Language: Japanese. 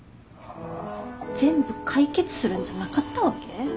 全部解決するんじゃなかったわけ？